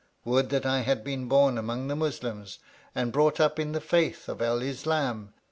Would that I had been born among the Muslims and brought up in the faith of El Islâm!